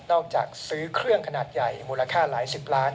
จากซื้อเครื่องขนาดใหญ่มูลค่าหลายสิบล้าน